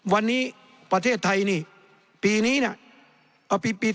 วันนี้ประเทศไทยนี่ปีนี้เนี่ย